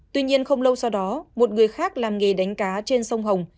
tuy nhiên không lâu sau đó một người khác làm nghề đánh cá trên sông hồng